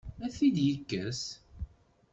Ad t-id-yekkes?